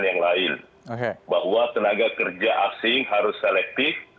yang lain bahwa tenaga kerja asing harus selektif